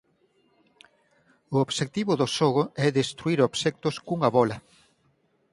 O obxectivo do xogo é destruír obxectos cunha bóla.